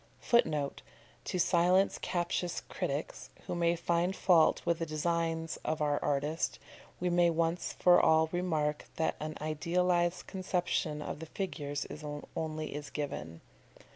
[Footnote: To silence captious critics, who may find fault with the designs of our artist, we may once for all remark that an idealised conception of the figures only is given.